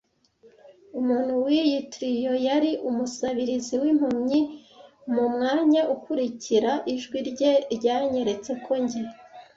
umuntu wiyi trio yari umusabirizi wimpumyi. Mu mwanya ukurikira ijwi rye ryanyeretse ko njye